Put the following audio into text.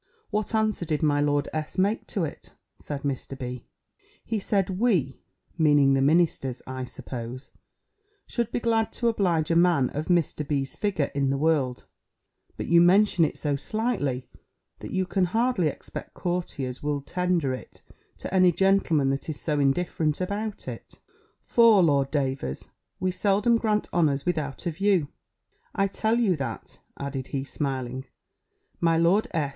"What answer did my Lord S. make to it?" said Mr. B. "He said, 'We,' meaning the ministers, I suppose, 'should be glad to oblige a man of Mr. B.'s figure in the world; but you mention it so slightly, that you can hardly expect courtiers will tender it to any gentleman that is so indifferent about it; for, Lord Davers, we seldom grant honours without a view: I tell you that,' added he, smiling." "My Lord S.